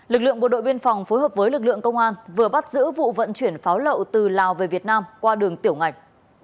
lực lượng bộ đội biên phòng phối hợp với lực lượng công an vừa bắt giữ vụ vận chuyển pháo lậu từ lào về việt nam qua đường tiểu ngạch